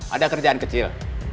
ada kerjaan kecil